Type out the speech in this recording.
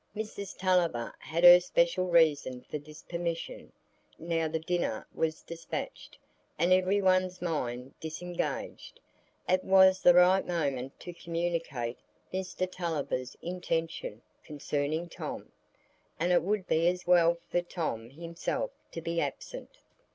Mrs Tulliver had her special reason for this permission: now the dinner was despatched, and every one's mind disengaged, it was the right moment to communicate Mr Tulliver's intention concerning Tom, and it would be as well for Tom himself to be absent.